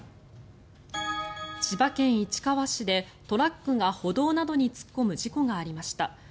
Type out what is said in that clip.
千葉県市川市でトラックが歩道などに突っ込む事故がありました。